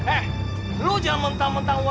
eh lo jangan mentah mentah orang